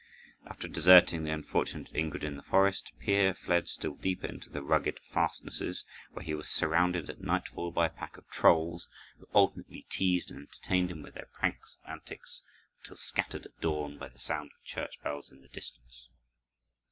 After deserting the unfortunate Ingrid in the forest, Peer fled still deeper into the rugged fastnesses, where he was surrounded at nightfall by a pack of trolls, who alternately teased and entertained him with their pranks and antics, until scattered at dawn by the sound of church bells in the distance.